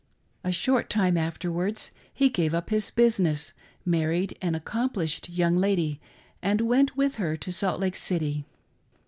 A short time afterwards he gave up his business, married an accomplished young lady, and went with her to Salt Lake City.